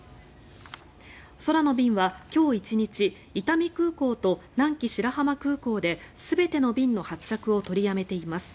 空の便は今日１日伊丹空港と南紀白浜空港で全ての便の発着を取りやめています。